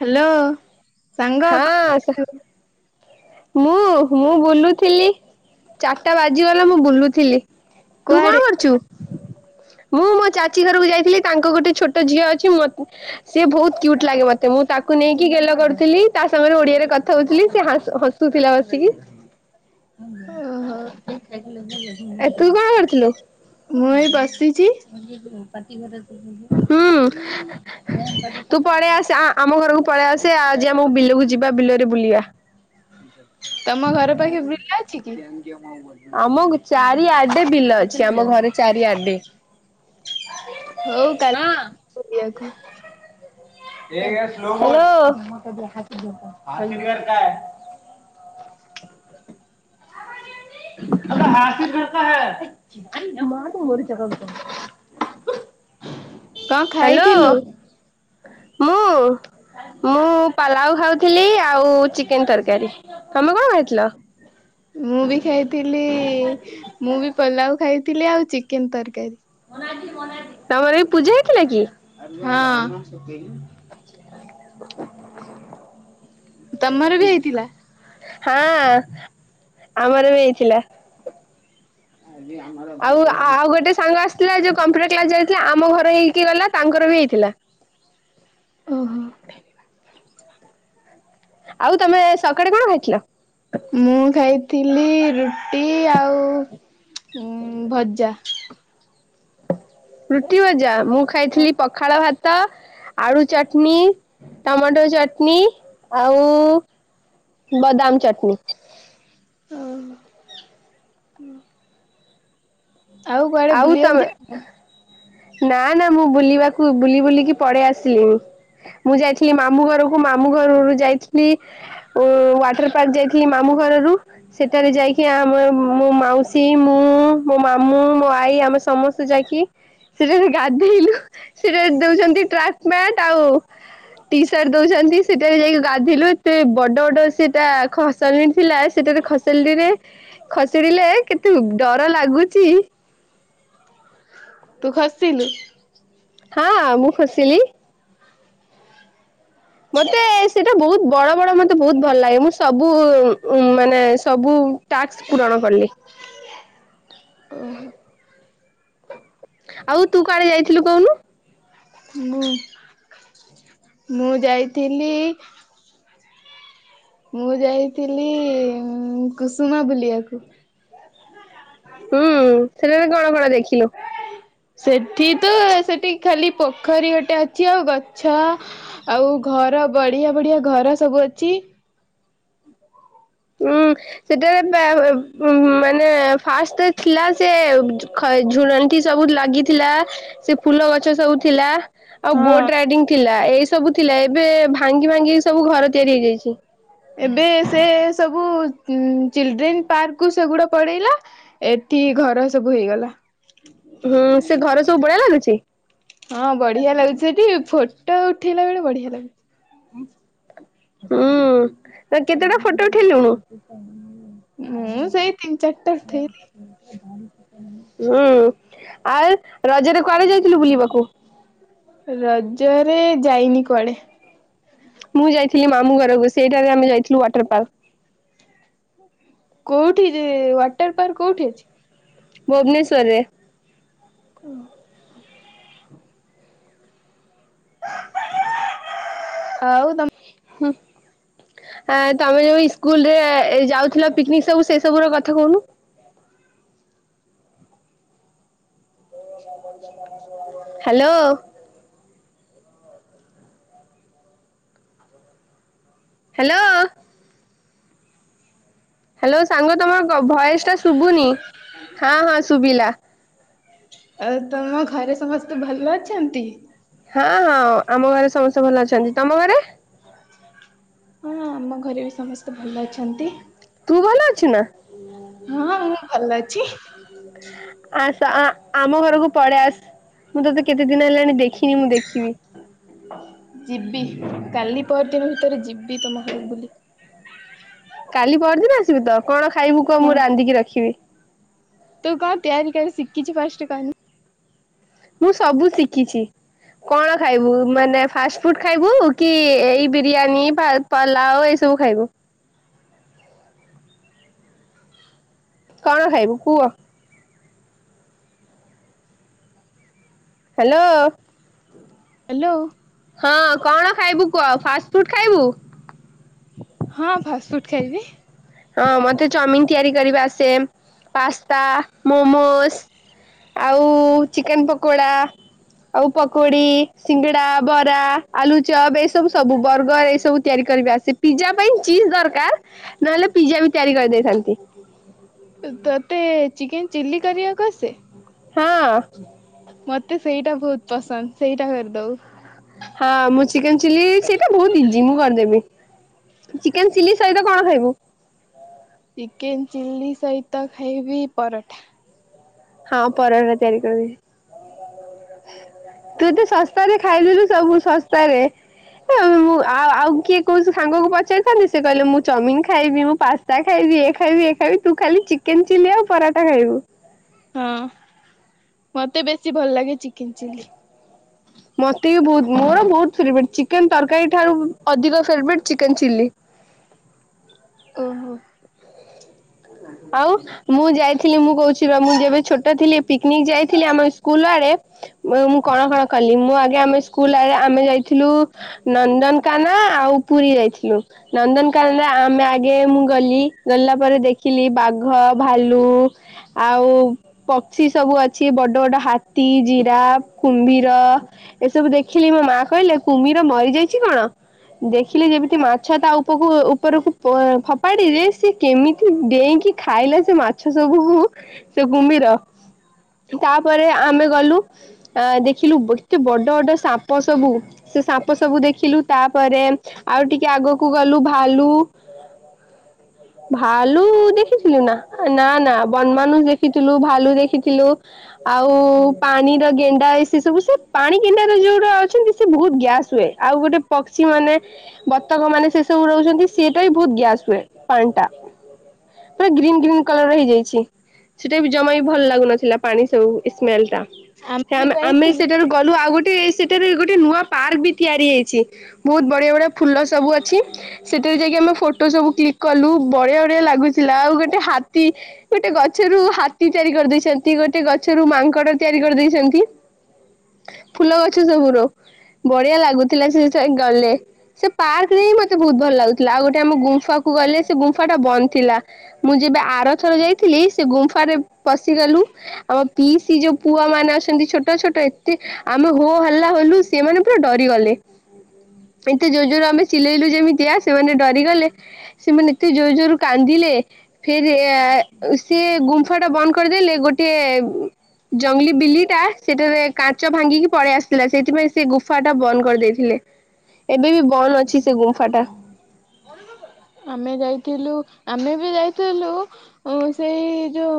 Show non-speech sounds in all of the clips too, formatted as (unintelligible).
Hello ସାଙ୍ଗ କଣ ହଁ ସ କଚୁ। ମୁଁ ମୁଁ ବୁଲୁଥିଲି ଚାରିଟା ବାଜିଗଲା ମୁଁ ବୁଲୁଥିଲି। ତୁ କୁଆଡେ? କଣ କରୁଚୁ? ମୁଁ ମୋ ଚାଚୀ ଘରକୁ ଯାଇଥିଲି ତାଙ୍କ ଗୋଟେ ଛୋଟ ଝିଅ ଅଛି ମ ସିଏ ବହୁତ କ୍ୟୁଟ୍ ଲାଗେ ମୋତେ ମୁଁ ତାକୁ ନେଇକି ଗେଲ କରୁଥିଲି ତା ସାଙ୍ଗରେ ଓଡିଆରେ କଥା ହଉଥିଲି ସେ ହାସ୍ ହସ୍ ତୁ ଥିଲା ବସିକି। ଓହୋ। ଏ ତୁ କଣ କରୁଥିଲୁ। ମୁଁ ଏଇ ବସିଚି। ହୁଁ। ତୁ ପଳେଇ ଆସେ ଆ ଆମ ଘରକୁ ପଳେଇ ଆସେ ଆଜି ଆମକୁ ବିଲକୁ ଯିବା ବିଲରେ ବୁଲିବା। ତମ ଘର ପାଖେ ବିଲା ଅଛି କି? ଅମକ୍ ଚାରିଆଡେ ବିଲ ଅଛି ଆମ ଘରେ ଚାରିଆଡେ। ହଉ କାଲି (inaudible) ବୁଲିଆକୁ। ଓ (inaudible) କଣ ହ୍ୟାଲୋ। ଖାଇଥିଲୁ? ମୁଁ ମୁଁ ପଲାଉ ଖାଉଥିଲି ଆଉ ଚି କେନ୍ ତରକାରୀ ତମେ କଣ ଖାଇଥିଲ? ମୁଁ ବି ଖାଇଥିଲି ମୁଁ ବି ପଲାଉ ଖାଇଥିଲି ଆଉ ଚି କେନ୍ ତରକାରୀ। ତମର ଆଜି ପୂଜା ହେଇଥିଲା କି? ହଁ। ତମର ବି ହେଇଥିଲା? (inaudible) ହଁ ଆମର ବି ହେଇଥିଲା। ଆଜି ଆମର ଆଉ ଆଉ ଗୋଟେ ସାଙ୍ଗ ଆସିଥିଲା ଯୋଉ କମ୍ପ୍ୟୁଟର କ୍ଲାସ ଯାଇଥିଲା ଆମ ଘର ହେଇକି ଗଲା ତାଙ୍କର ବି ହେଇଥିଲା। ଓହୋ। ଆଉ ତମେ ସକାଡେ କଣ ଖାଇଥିଲ? ମୁଁ ଖାଇଥିଲି ରୁଟି ଆଉ ଉଁ ଭଜା। ରୁଟି ଭଜା ମୁଁ ଖାଇଥିଲି ପଖାଳ ଭାତ୍ ତ ଆଳୁ ଚଟନି, ଟମାଟୋ ଚଟନୀ ଆଉ ବାଦାମ ଚଟନୀ। ଓହୋ ଓ ଆଉ ତମେ (inaudible) ନା ନା ମୁଁ ବୁଲିବାକୁ ବୁଲି ବୁଲିକି ପଳେଇ ଆସିଲିଣିି। ମୁଁ ଯାଇଥିଲି ମାମୁଁ ଘରକୁ ମାମୁଁ ଘରରୁ ଯାଇଥିଲି ଉଁ ୱାଟର ପାର୍କ ଯାଇଥିଲି ମାମୁଁ ଘରରୁ। ସେଠାରେ ଯାଇକି ଆମ ମୋ ମାଉସୀ ମୁଁ ମୋ ମାମୁଁ ମୋ ଆ ଆଈ ଆମେ ସମସ୍ତେ ଯାଇକି ସେଠାରେ ଗାଧେଇଲୁ। ସେଠାରେ ଦଉଛନ୍ତି ଟ୍ରାକ୍ ପ୍ୟାଣ୍ଟ୍ ଆଉ ଟି ସାର୍ଟ ଦଉଛନ୍ତି ସେଟା ବି ଯାଇକି ଗାଧେଇଲୁ ଏତେ ବଡ ବଡ ସେଟା ଖସାଲିନ୍ ଥିଲା ସେଟାରେ ଖସି (unintelligible) ରେ ଖସଡିଲେ କେତେ ଡର ଲାଗୁଚି। ତୁ ଖସିଲୁ? ହଁ ମୁଁ ଖସିଲି। ମୋତେ ସେଇଟା ବହୁତ ବଡ ବଡ ମୋତେ ବହୁତ ଭଲ ଲାଗେ ମୁଁ ସବୁ ଉଁ ମାନେ ସବୁ ଟାସ୍କ ପୂରଣ କଲି। ଓହୋ। ଆଉ ତୁ କୁଆଡ ଯାଇଥିଲୁ କହୁନୁ? ମୁ ମୁଁ ଯାଇଥିଲି ମୁଁ ଯାଇଥିଲି କୁସୁମା ବୁଲିବାକୁ। ହୁଁ ସେଠେ ଯାଇକି କଣ କଣ ଦେଖିଲୁ? ସେଠି ତ ସେଠି ଖାଲି ପୋଖରୀ ଗୋଟେ ଅଛି ଆଉ ଗଛ ଆଉ ଘର ବଢିଆ ବଢିଆ ଘର ସବୁ ଅଛି ହୁଁ ସେଟାରେ ମାନେ ଫାଷ୍ଟ ଥିଲା ସେ (inaudible) ସବୁ ଲାଗିଥିଲା ସେ ଫୁଲ ଗଛ ସବୁ ଥିଲା ଆଉ ହଁ। ବୋଟ ରାଇଡିଙ୍ଗ ଥିଲା ଏଇ ସବୁ ଥିଲା ଏବେ ଭାଙ୍ଗି ଭାଙ୍ଗି ସବୁ ଘର ତିଆରି ହେଇଯାଇଛି। ଏବେ ସେ ସବୁ ଚିଲଡ୍ରେନ୍ ପାର୍କ କୁ ସେଗୁଡା ପଡେଇଲା ଏତିି ଘର ସବୁ ହେଇଗଲା। ହୁଁ ସେ ଘରେ ସବୁ ଭଳିଆ ଲାଗୁଛି? ହଁ ବଢିଆ ଲାଗୁଛି ସେଠି ଫୋଟୋ ଉଠେଇଲା ବେଳେ ବଢିଆ ଲାଗୁଛି। ହୁଁ କେତେଟା ଫଟୋ ଉଠେଇଲୁଣୁ ହୁଁ ମୁ ସେଇ ତିନି ଚାରି ଟା ଉଠେଇଲି ହୁଁ ଆଉ ରଜରେ କୁଆଡେ ଯାଇଥିଲୁ ବୁଲିବାକୁ? ରଜରେ ଯାଇନି କୁଆଡେ ମୁଁ ଯାଇଥିଲି ମାମୁଁ ଘରକୁ ସେଇ ଠାରୁ ଆମେ ଯାଇଥିଲୁ ୱାଟର ପାର୍କ। କୋଉଠି ଯେ ୱାଟର ପାର୍କ କୋଉଠି ଅଛି? ଭୁବନେଶ୍ୱରରେ। ଓ। ଆଉ ତମ ହୁଁ। ଆ ତମେ ଯୋଉ ଇସ୍କୁଲ ରେ ଯାଉଥିଲ ପିକ୍ନିକ୍ ସବୁ ସେ ସବୁ ର କଥା କହୁନୁ? ହ୍ୟାଲୋ। ହ୍ୟାଲୋ। ହ୍ୟାଲୋ ସାଙ୍ଗ ତମର ଭଏସ ଟା ଶୁଭୁନି ହଁ ହଁ ଶୁଭିଲା। ଆଉ ତମ ଘରେ ସମସ୍ତେ ଭଲ ଅଛନ୍ତି? ହଁ ହଁ ଆମ ଘରେ ସମସ୍ତେ ଭଲ ଅଛନ୍ତି। ତମ ଘରେ? ହଁ ଆମ ଘରେ ବି ସମସ୍ତେ ଭଲ ଅଛନ୍ତି। ତୁ ଭଲ ଅଛୁ ନା? ହଁ ହଁ ମୁଁ ଭଲ ଅଛି। ଆସ ଆ ଆମ ଘରକୁ ପଳେଇ ଆସ ମୁଁ ତୋତେ କେତେ ଦିନ ହେଲାଣି ଦେଖିନି ମୁଁ ଦେଖିବି। ଯିବି କାଲି ପର ଦିନ ଭିତରେ ଯିବି ତମ (unintelligible) ବୁଲି କାଲି ପରଦିନ ଆସିବୁ ତ କଣ ଖାଇବୁ କହ ହଁ ମୁଁ ରାନ୍ଧିକି ରଖିବି? ତୁ କଣ ତିଆରି କରି ଶିଖିଚୁ ଫାଷ୍ଟ କହିଲୁ? ମୁଁ ସବୁ ଶିଖିଛି। କଣ ଖାଇବୁ ମାନେ ଫାଷ୍ଟ ଫୁଡ ଖାଇବୁ କି ଏଇ ବିରିୟାନୀ ବା ପଲାଉ ଏଇ ସବୁ ଖାଇବୁ? କଣ ଖାଇବୁ କୁହ? ହ୍ୟାଲୋ। ହ୍ୟାଲୋ। ହଁ କଣ ଖାଇବୁ କୁହ ଫାଷ୍ଟ ଫୁଡ ଖାଇବୁ? ହଁ ଫାଷ୍ଟଫୁଡ ଖାଇବି। ହଁ ମତେ ଚାଉମିିନ ତିଆରି କରିବା ଆସେ ପାସ୍ତା ମୋମୋସ୍ ଆଉ ଚିକେନ ପକୋଡା। ଆଉ ପକୋଡି ସିଙ୍ଗଡା ବରା ଆଲୁ ଚପ୍ ଏ ସବୁ ସବୁ ବର୍ଗର ଏ ସବୁ ତିଆରି କରିବା ଆ ସେ ପିଜା ପାଇଁ ଚିଜ ଦରକାର ନହେଲେ ପିଜା ବି ତିଆରି କରିଦେଇଥାନ୍ତି। ତତେ ଚିକେନ ଚିଲ୍ଲି କରିବାକୁ ଆସେ? ହଁ। ମତେ ସେଇଟା ବହୁତ ପସନ୍ଦ ସେଇଟା କରିଦଉ। ହଁ ମୁଁ ଚିକେନ ଚିଲ୍ଲି ସେଇଟା ବହୁତ ଇଜି ମୁଁ କରିଦେବି। ଚିକେନ ଚିଲ୍ଲି ସହିତ କଣ ଖାଇବୁ? ଚିକେନ ଚିଲ୍ଲି ସହିତ ଖାଇବି ପରଠା। ହଁ ପରଟା ତିଆରି କରିବି। ତୁ ତ ଶସ୍ତାରେ ଖାଇଦେଲୁ ସବୁ ଶସ୍ତାରେ। ମୁଁ ଆଉ ଆଉ କିଏ କୋଉ ସାଙ୍ଗକୁ ପଚାରିଥାନ୍ତି ସେ କହିଲେ ମୁଁ ଚଉମିନ ଖାଇବି ମୁଁ ପାସ ତା ଖାଇବି ଏ ଖାଇବି ଏ ଖାଇବି ତୁ ଖାଲି ଚିକେନ ଚିଲ୍ଲି ଆଉ ପରାଠା ଖାଇବୁ। ହଁ ମତେ ବେଶୀ ଭଲ ଲାଗେ ଚିକେନ ଚିଲ୍ଲି। ମତେ ବି ବହୁତ ମୋର ବହୁତ ଫେବରେଟ୍ ଚିକେନ ତରକାରୀ ଠାରୁ ଅଧିକ ଫେବରେଟ୍ ଚିକେନ ଚିଲ୍ଲି। ଓହୋ। ଆଉ। ମୁଁ ଯାଇଥିଲି ମୁଁ କହୁଛି ବା ମୁଁ ଯେବେ ଛୋଟ ଥିଲି ପିକନିକ ଯାଇଥିଲି ଆମ ସ୍କୁଲ ଆଡେ। ମୁଁ କଣ କଣ କଲି ମୁଁ ଆଗେ ଆମେ ସ୍କୁଲ ଆ ଆମେ ଯାଇଥିଲୁ। ନନ୍ଦନକାନ୍ଦନ ଆଉ ପୁରୀ ଯାଇଥିଲୁ। ନନ୍ଦନକାନ୍ଦନ ଆମେ ଆଗେ ମୁଁ ଗଲି ଗଲା ପରେ ଦେ ଦେଖିଲି ବାଘ ଭାଲୁ ଆଉ। ପକ୍ଷୀ ସବୁ ଅଛି ବଡ ବଡ ହାତୀ ଜିରାଫ୍ କୁମ୍ଭୀର। ଏସବୁ ଦେଖିଲି ମୋ ମା କହିଲେ କୁମ୍ଭୀର ମରିଯାଇଛି କଣ? ଦେଖିଲେ ଯେମିତି ମାଛ ତା ଉପକୁ ଉପରକୁ ପ ଫୋପାଡିଲେ ସେ କେମି ଡେଇଁକି ଖାଇଲା ସେ ମାଛ ସବୁ କୁଉ ସେ କୁମ୍ଭୀର। ତାପରେ ଆମେ ଗଲୁ। ଆ ଦେଖିଲୁ ବ କେତେ ବଡ ବଡ ସାପ ସବୁ ସେ ସାପ ସବୁ ଦେଖିଲୁ ତାପରେ। ଆଉ ଟିକେ ଆଗକୁ ଗଲୁ ଭାଲୁ। ଭାଲୁ ଦେଖିଥିଲୁ ନା ନା ନା ବନମାନୁସ ଦେଖିଥିଲୁ ଭାଲୁ ଦେଖିଥିଲୁ। ଆଉ ପାଣିର ଗେଣ୍ଡା ସେ ସବୁ ସେ ପାଣି ଗେଣ୍ଡାର ଯୋଉଗୁଡା ଅଛନ୍ତି ସେ ବହୁତ ଗ୍ୟାସ ହୁଏ। ଆଉ ଗୋଟେ ପକ୍ଷୀ ମାନେ ବତକ ମାନେ ସେ ସବୁ ରହୁଛନ୍ତି ସିଏଟା ବି ବହୁତ ଗ୍ୟାସ ହୁଏ ପାଣି ଟା। ପୁରା ଗ୍ରୀନ ଗ୍ରୀନ କଲର ର ହେଇଯାଇଛି। ସେଟା ବି ଜମା ବି ଭଲ ଲାଗୁନଥିଲା ପାଣି ସବୁ ସ୍ମେଲ ଟା। ହେ ବି ଆମେ ଆମେ ଯାଇଥିଲୁ ସେଇଠାରୁ ଗଲୁ ଆଉ ଗୋଟେଏ ସେ ଠି ବି ଗୋଟେ ନୂଆ ପାର୍କ ବି ତିଆରି ହେଇଛି ବହୁତ ବଢିଆ ବଢିଆ ଫୁଲ ସବୁ ଅଛି। ସେଠାରେ ଯାଇକି ଆମେ ଫଟୋ ସବୁ କ୍ଲିକ କଲୁ ବଢିଆ ବଢିଆ ଲାଗୁଥିଲା ଆଉ ଗୋଟେ ହାତୀ ଗୋଟେ ଗଛରୁ ହାତୀ ତିଆରି କରିଦେଇଛନ୍ତି ଗୋଟେ ଗଛରୁ ମାଙ୍କଡ ତିଆରି କରିଦେଇଛନ୍ତି। ଫୁଲ ଗଛ ସବୁ ରୁ ବଢିଆ ଲାଗୁଥିଲା ସେ ସେ ଗଲେ। ସେ ପାର୍କରେ ହିଁ ମତେ ବହୁତ ଭଲ ଲାଗୁଥିଲା ଆଉ ଗୋଟେ ଆମେ ଗୁମ୍ଫା କୁ ଗଲେ ସେ ଗୁମ୍ଫା ସେଟା ବନ୍ଦ ଥିଲା ମୁଁ ଯେବେ ଆରଥର ଯାଇଥିଲି ସେ ଗୁମ୍ଫରେ ପଶିଗଲୁ। ଆମ ପିଇସି ଯୋଉ ପୁଅମାନେ ଅଛନ୍ତି ଛୋଟ ଛୋଟ ଏତେ। ଆମେ ହୋ ହଲ୍ଲା ହେଲୁ ସେମାନେ ପୁରା ଡରିଗଲେ। ଏତେ ଜୋର ଜୋର ଆମେ ଚିଲେଇଲୁ ଯେମିତିଆ ସେମାନେ ଡରିଗଲେ ସେମାନେ ଏତେ ଜୋର ଜୋର କାନ୍ଦିଲେ। ଫିର ୟାର ସେ ଗୁମ୍ଫା ଟା ବନ୍ଦ କରିଦେଲେ ଗୋଟିଏ ଜଙ୍ଗଲି ବିଲି ଟା ସେଠାରେ କାଚ ଭାଙ୍ଗିକି ପଳେଇ ଆସିଥିଲା ସେଇଥିପାଇଁ ସେ ଗୁଫା ଟା ବନ୍ଦ କରିଦେଇଥିଲେ। ଏବେ ବି ବନ୍ଦ ଅଛି ସେ ଗୁମ୍ଫା ଟା। ଆମେ ଯାଇଥିଲୁ ଆମେ ବି ଯାଇଥିଲୁ ଉଁ ସେଇ ଯୋଉ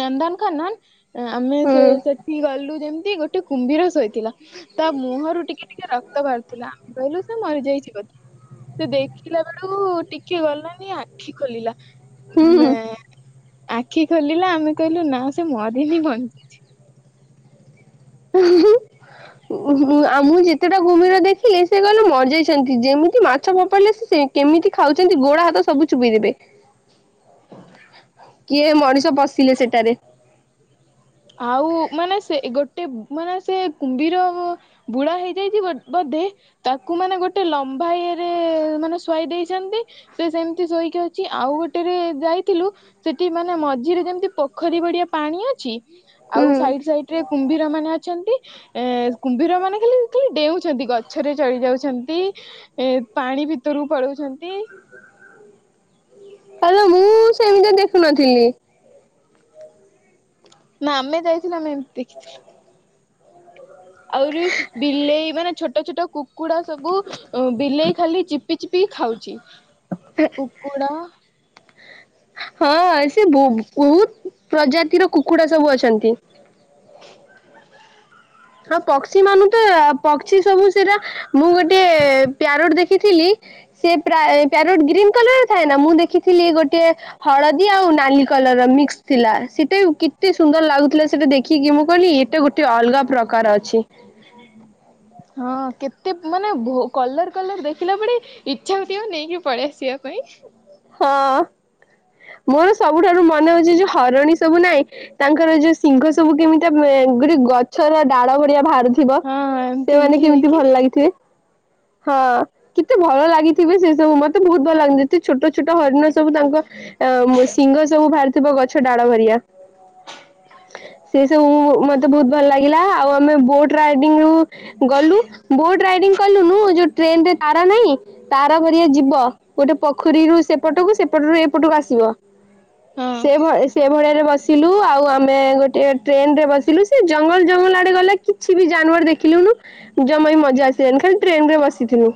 ନନ୍ଦନକାନନ ଆମେ ସେ ହୁଁ ସେଠି ଗଲୁ ଯେମତି ଗୋଟେ କୁମ୍ଭୀର ଶୋଇଥିଲା। ତା ମୁହଁରୁ ଟିକେ ଟିକେ ରକ୍ତ ବାହାରୁଥିଲା ଆମେ କହିଲୁ ସେ ମରିଯାଇଛି ବୋଧେ। ସେ ଦେଖିଲା ବେଳକୁ ଟିକେ ଗଲାନି ଆଖି ଖୋଲିଲା ମେଁ ଆଖି ଖୋଲିଲା ଆମେ କହିଲୁ ନା ସେ ମରିନି ବଞ୍ଚିଛି। ହୁଁ ହୁ। ଉଁ ହୁ ଉଁ ଆଉ ମୁଁ ଯେତେଟା କୁମ୍ଭୀର ଦେଖିଲି ସେ କହିଲେ ମରିଯାଇଛନ୍ତି ଯେମିତି ମାଛ ଫୋପାଡ଼ିଲେ ସେ ସେ କେମିତି ଖାଉଛନ୍ତି ଗୋଡ ହାତ ସବୁ ଚୁବେଇ ଦେବେ। କିଏ ମଣିଷ ପସିଲେ ସେଠାରେ। ଆଉ ମାନେ ସେ ଏ ଗୋଟେ ମାନେ ସେ କୁମ୍ଭୀର ବୁଢା ହେଇଯାଇଛି ବୋଧେ। ତାକୁ ମାନେ ଗୋଟେ ଲମ୍ବା ଇଏରେ ମାନେ ଶୁଆଇ ଦେଇଛନ୍ତି। ସେ ସେମିତି ଶୋଇକି ଅଛି ଆଉ ଗୋଟେରେ ଯାଇଥିଲୁ। ସେଠି ମାନେ ମଝିରେ ଯେମତି ପୋଖରୀ ଗଡିଆ ପାଣି ଅଛି। ହୁଁ ଆଉ ସାଇଡ ସାଇଟ ରେ କୁମ୍ଭୀର ମାନେ ଅଛନ୍ତି। ଏ କୁମ୍ଭୀର ମାନେ ଖାଲି ଖାଲି ଡେଉଛନ୍ତି ଗଛ ଗଛରେ ଚଢି ଯାଉଛନ୍ତି ଏ ପାଣି ଭିତରକୁ ପଳଉଛନ୍ତି। ଆଲୋ ମୁଁ ସେମିତିଆ ଦେଖୁନଥିଲି। ନା ଆମେ ଯାଇଥିଲୁ ଆମେ ଏମିତି ଦେଖିଥିଲୁ। ଆହୁରି ବିଲେଇ ମାନେ ଛୋଟ ଛୋଟ କୁ କୁକୁଡା ସବୁ ବିଲେଇ ଖାଲି ଚିପି ଚିପି ଖାଉଛି କୁକୁଡ଼ା ହଁ ସେ ବହୁତ ପ୍ରଜାତିର କୁକୁଡା ସବୁ ଅଛନ୍ତି। (inaudible) ହଁ ପକ୍ଷୀ ମାନୁ ତ ପକ୍ଷୀ ସବୁ ସେଟା ମୁଁ ଗୋଟେ ପ୍ୟାରୋଟ ଦେଖିଥିଲି। ସେ ପ୍ୟାର ପ୍ୟାରୋଟ ଲଗ୍ରୀନ୍ କଲର ଥାଏ ନା ମୁଁ ଦେଖିଥିଲି ଗୋଟେ ହଳଦୀ ଆଉ ନାଲି କଲର ର ମିକ୍ସ ଥିଲା ସେଟା କେତେ ସୁନ୍ଦର ଲାଗୁଥିଲା ସେଟା ଦେଖିକି ମୁଁ କହିଲି ଏଇଟା ଗୋଟେ ଅଲଗା ପ୍ରକାର ଅଛି। ହୁଁ। ହଁ କେତେ ମାନେ କଲର କଲର ଦେଖିଲା ବେଳେ ଇଚ୍ଛା ହଉଥିବ ନେଇକି ପଳେଇ ଆସିବା ପାଇଁ। ହଁ ମୋର ସବୁଠାରୁ ମନେ ହଉଛି ଯୋଉ ହରଣୀ ସବୁ ନାଇଁ ତାଙ୍କର ଯୋଉ ସିଂଘ ସବୁ କେମିତି ଗୋଟେ ଗଛର ଡାଳ ଭଡିଆ ବାହାରୁଛି। ଥିବ ହଁ ଏମତି ସେମାନେେ ଏମତି କେମିତି ହେଇକି ଭଲ ଲାଗିଥିବେ। ହଁ କେତେ ଭଲ ଲାଗିଥିବେ ସେ ସବୁ ମତେ ବହୁତ ଭଲ ଲାଗନ୍ତୀ କେତେ ଛୋଟ ଛୋଟ ହରିଣ ସବୁ ତାଙ୍କ ଅ ଶିଙ୍ଗ ସବୁ ବାହାରିଥିବ ଗଛ ଡାଳ ଭଲିଆ। ସେ ସବୁ ମତେ ବହୁତ ଭଲ ଲାଗିଲା ଆଉ ଆମେ ବୋଟ ରାଇଡିଙ୍ଗରୁ ଗଲୁ ବୋଟ ରାଇଡିଙ୍ଗ କଲୁନୁ ଯୋଉ ଟ୍ରେନରେ ତାର ନାହିଁ ତାର ଘରିଆ ଯିବ। ଗୋଟେ ପୋଖରୀରୁ ସେପଟକୁ ସେପଟରୁ ଏପଟକୁ ଆସିବ। ହଁ ସେ ଭଳି ସେ ଭଳିଆରେ ବସି ଥିଲୁ ଆଉ ଆମେ ଗୋଟେ ଟ୍ରେନ ରେ ବସିଲୁ ସେ ଜଙ୍ଗଲ ଜଙ୍ଗଲ ଆଡେ ଗଲେ କିଛି ବି ଜାନୁଆର ଦେଖିଲୁନୁ। ଜମା ହି ମଜା ଆସିଲାନି ଖାଲ ଟ୍ରେନ ରେ ବସିଥିଲୁ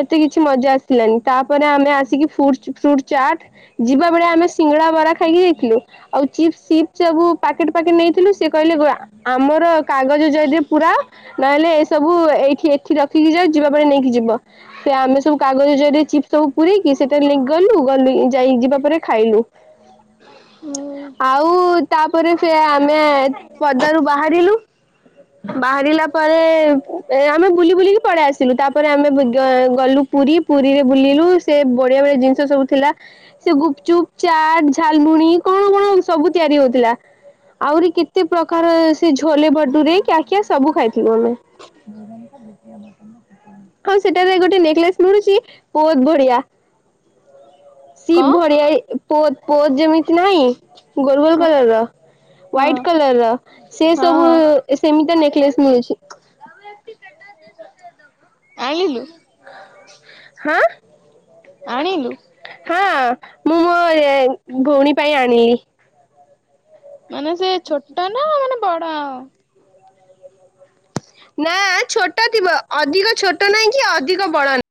ଏତେ କିଛି ମଜା ଆସିଲାନି। ତାପରେ ଆମେ ଆସିକି ଫୁଡ୍ଶ ଫ୍ରୁଟ ଚାଟ୍ ଯିବା ବେଳେ ଆମେ ସିଙ୍ଗଡ଼ା ବରା ଖାଇକି ଯାଇଥିଲୁ। ଆଉ ଚିପ୍ସ ଚିପ୍ ସବୁ ପାକେଟ୍ ପ୍ୟାକେଟ୍ ନେଇଥିଲୁ ସେ କହିଲେ ଗୋଳା। ଆମର କାଗଜ ଯରିରେ ପୁରା ନହେଲେ ସବୁ ଏଇଠି ଏଠି ରଖିକି ଯା ଯିବା ପାଇଁ ନେଇକି ଯିବ। ସେ ଆମେ ସବୁ କାଗଜ ଜରିରେ ଚପ୍ ସବୁ ପୁରେଇକି ସେଟାରେ ଲେଇକି ଗଲୁ ଗଲୁ ଯାଇ ଯିବା ପରେ ଖାଇଲୁ। ହୁଁ। ହୁଁ। ଆଉ ତାପରେ ସେ ଆମେ ପଦାରୁ ବାହାରିଲୁ। ବାହାରିଲା ପରେ ଏ ଆମେ ବୁଲି ବୁଲିକି ପଳେଇ ଆସିଲୁ ତାପରେ ଆମେ ଗଲୁ ପୁରୀ। ପୁରୀରେ ବୁଲିଲୁ ସେ ବଢିଆ ଭଳିିଆ ଜିନିଷ ସବୁ ଥିଲା। ସେ ଗୁପ୍‌ ଚୁପ୍ ଚାଟ୍ ଝାଲମୁଣି କଣ କଣ ସବୁ ତିଆରି ହଉଥିଲା। ଆହୁରି କେତେ ପ୍ରକାର ସେ ଝୋଲେ ବଟୁରି କ୍ୟା କିଆ ସବୁ ଖାଇଥି ସେମାନେ। ହଁ ସେଟାରେ ଗୋଟେ ନେକ୍ଲେସ ମିଳୁଛି ବହୁତ ବଢିଆ। ସି କଣ ଭଡିଆ ଏ ପୋତ୍ ପୋ ଯେମିତି ନାହିଁ ଗୋଲ ଗୋଲ କଲର ର। ହଁ ହ୍ବାଇଟ୍ କଲର ର ସେ ହଁ ସବୁ ହଁ ସେମିତି ନେକ୍ଲେସ ମିଳୁଛି। ଆଇଁଲୁ। ହାଁ। ଆଣିଲୁ। ହାଁ ମୁଁ ମୋ ଭଉଣୀ ପାଇଁ ଆଣିଲି। ମାନେ ସେ ଛୋଟା ନା ମାନେ ବଡ। ନା ଛୋଟ ଥିବ ଅଧିକ ଛୋଟ ନାହିଁ କି ଅଧିକ ବଡ ନା